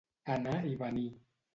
Anar i venir.